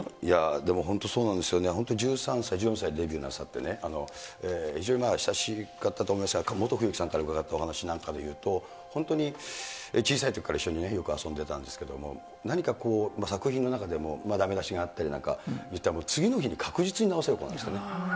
でも本当にそうなんですよね、本当１３歳、１４歳でデビューなさってね、非常に親しかったと思いますが、モト冬樹さんから伺ったお話なんかでは、本当に小さいときから一緒によく遊んでたんですけれども、何か作品の中では、だめ出しがあったりとか次の日に確実に直せる子なんですよね。